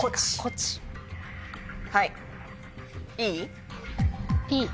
はい。